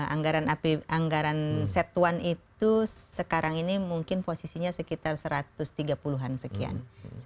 anggaran setuan itu sekarang ini mungkin posisinya sekitar satu ratus tiga puluh an sekian